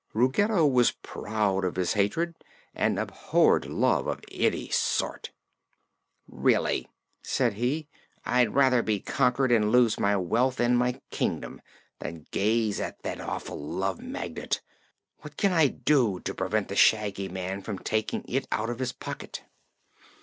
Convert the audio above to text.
Ruggedo was proud of his hatred and abhorred love of any sort. "Really," said he, "I'd rather be conquered and lose my wealth and my Kingdom than gaze at that awful Love Magnet. What can I do to prevent the Shaggy Man from taking it out of his pocket?"